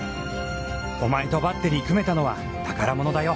お前とバッテリー組めたのは宝物だよ。